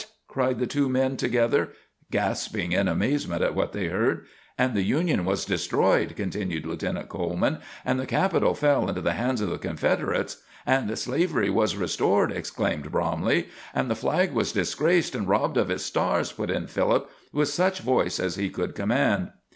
cried the two men together, gasping in amazement at what they heard. "And the Union was destroyed," continued Lieutenant Coleman. "And the Capitol fell into the hands of the Confederates." "And slavery was restored," exclaimed Bromley. "And the flag was disgraced and robbed of its stars," put in Philip, with such voice as he could command.